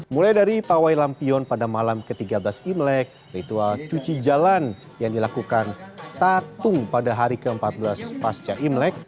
mulai dari pawai lampion pada malam ke tiga belas imlek ritual cuci jalan yang dilakukan tatung pada hari ke empat belas pasca imlek